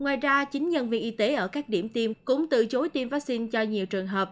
ngoài ra chính nhân viên y tế ở các điểm tiêm cũng từ chối tiêm vaccine cho nhiều trường hợp